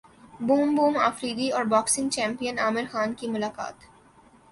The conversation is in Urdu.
بوم بوم افریدی اور باکسنگ چیمپئن عامر خان کی ملاقات